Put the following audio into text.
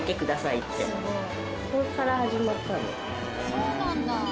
そうなんだ。